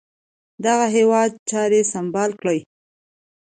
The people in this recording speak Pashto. دغه هیواد چاري سمبال کړي.